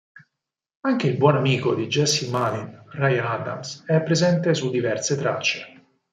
Anche il buon amico di Jesse Malin, Ryan Adams, è presente su diverse tracce.